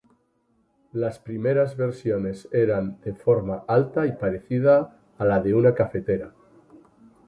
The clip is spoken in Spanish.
Las primeras versiones eran de forma alta y parecida a la de una cafetera.